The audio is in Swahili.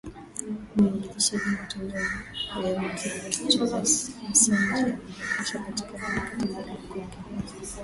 mwanzilishi wa mtandao wa wikileaks julian nasanji amepandishwa katika mahakama moja huko uingereza